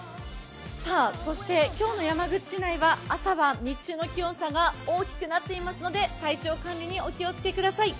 そして今日の山口市内は朝晩日中の気温差が大きくなっていますので、体調管理にお気をつけください。